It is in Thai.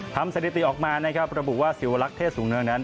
สถิติออกมานะครับระบุว่าสิวลักษ์เทศสูงเนืองนั้น